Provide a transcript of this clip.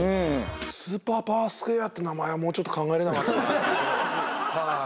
スーパーパワースクエアって名前はもうちょっと考えれなかったかな。